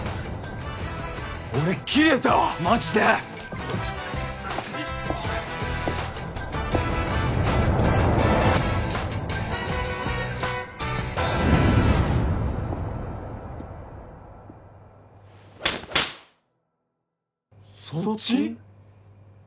俺キレたわマジでそっち？